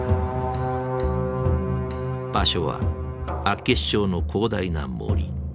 場所は厚岸町の広大な森。